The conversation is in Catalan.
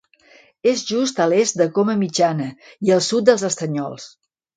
És just a l'est de Coma Mitjana i al sud dels Estanyols.